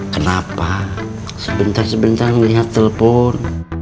kenapa sebentar sebentar melihat telpon